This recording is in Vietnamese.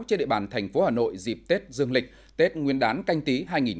trên địa bàn tp hcm dịp tết dương lịch tết nguyên đán canh tí hai nghìn hai mươi